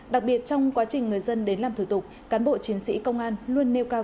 đặc biệt trong quá trình người dân đến làm thủ tục cán bộ chiến sĩ công an luôn nêu cao